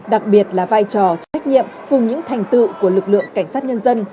đặc biệt là vai trò trách nhiệm cùng những thành tựu của lực lượng cảnh sát nhân dân